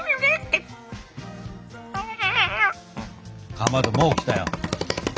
かまどもう来たよ！